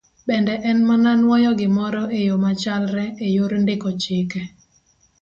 Bende en mana nwoyo gimoro e yo machalre e yor ndiko chike.